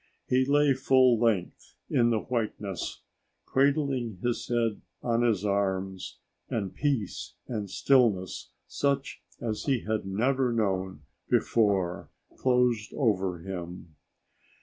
He lay full length in the whiteness, cradling his head on his arms, and peace and stillness such as he had never known before closed over him.